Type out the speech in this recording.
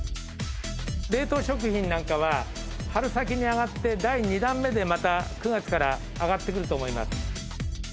冷凍食品なんかは、春先に上がって、第２弾目でまた９月から上がってくると思います。